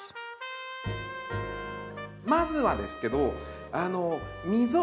まずはですけど溝。